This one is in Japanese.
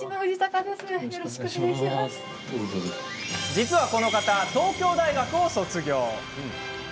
実はこの方、東京大学を卒業。